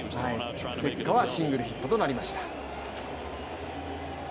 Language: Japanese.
結果はシングルヒットとなりました。